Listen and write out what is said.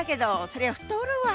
そりゃ太るわ。